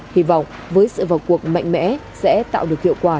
hy vọng với sự vào cuộc mạnh mẽ sẽ tạo được hiệu quả